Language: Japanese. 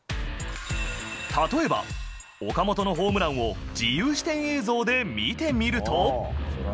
例えば、岡本のホームランを自由視点映像で見てみると。